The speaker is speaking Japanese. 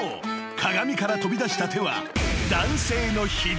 鏡から飛び出した手は］